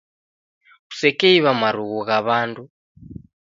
Kusekeiw'a marughu gha w'andu